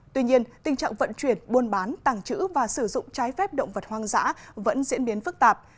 tuy nhiên tình trạng vận chuyển buôn bán tàng trữ và sử dụng trái phép động vật hoang dã vẫn diễn biến phức tạp